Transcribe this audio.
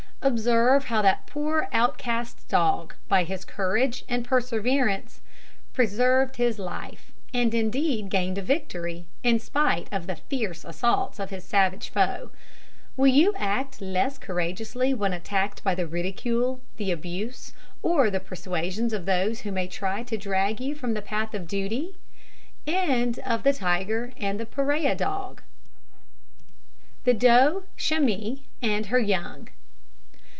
Observe how that poor outcast dog, by his courage and perseverance, preserved his life, and indeed gained a victory, in spite of the fierce assaults of his savage foe. Will you act less courageously when attacked by the ridicule, the abuse, or the persuasions of those who may try to drag you from the path of duty? THE DOE CHAMOIS AND HER YOUNG.